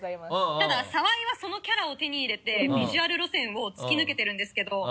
ただ澤井はそのキャラを手に入れてビジュアル路線を突き抜けているんですけど。